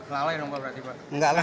lalai dong pak berarti pak